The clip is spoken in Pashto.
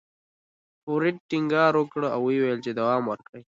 فورډ ټينګار وکړ او ويې ويل چې دوام ورکړئ.